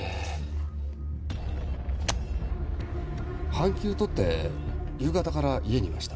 半休取って夕方から家にいました。